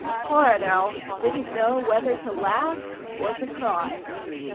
Coronel didn't know whether to laugh or to cry.